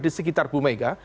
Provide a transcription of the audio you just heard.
di sekitar bumega